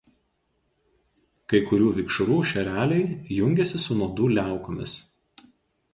Kai kurių vikšrų šereliai jungiasi su nuodų liaukomis.